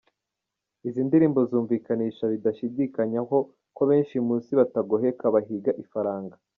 Izi ndirimbo zumvikanisha bidashidikanywaho ko benshi mu Isi batagoheka bahiga ifaranga.